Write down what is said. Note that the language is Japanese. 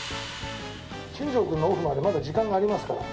新庄君のオフまでまだ時間がありますから。